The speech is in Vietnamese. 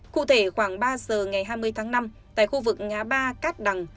cụ thể khoảng ba giờ ngày hai mươi tháng năm tại khu vực ngã ba cát đằng